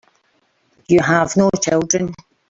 You have no children.